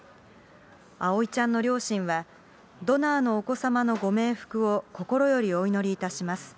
葵ちゃんの両親は、ドナーのお子様のご冥福を心よりお祈りいたします。